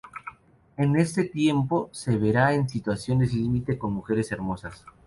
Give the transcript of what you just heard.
En ese tiempo se verá en situaciones límite con mujeres hermosas.